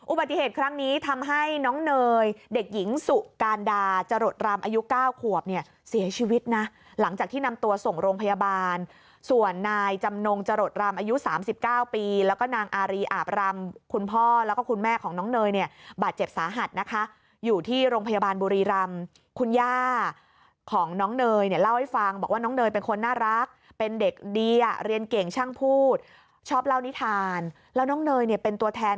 อุบัติเหตุครั้งนี้ทำให้น้องเนยเด็กหญิงสุกาลดาจรดรำอายุ๙ขวบเนี่ยเสียชีวิตนะหลังจากที่นำตัวส่งโรงพยาบาลส่วนนายจำนงจรดรำอายุ๓๙ปีแล้วก็นางอารีอาบรำคุณพ่อแล้วก็คุณแม่ของน้องเนยเนี่ยบาดเจ็บสาหัสนะคะอยู่ที่โรงพยาบาลบุรีรำคุณย่าของน้องเนยเนี่ยเล่าให้ฟังบอกว่าน้องเนยเป